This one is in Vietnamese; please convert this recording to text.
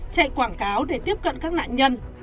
chạy quảng cáo để tiếp cận các nạn nhân